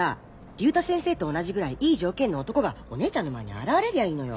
竜太先生と同じくらいいい条件の男がお姉ちゃんの前に現れりゃいいのよ。